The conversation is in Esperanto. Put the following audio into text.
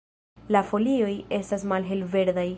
La folioj estas malhelverdaj.